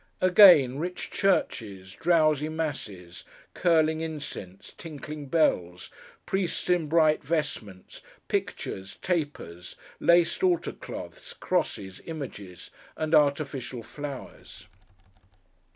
Again, rich churches, drowsy Masses, curling incense, tinkling bells, priests in bright vestments: pictures, tapers, laced altar cloths, crosses, images, and artificial flowers.